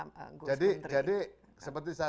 gus menteri jadi seperti saya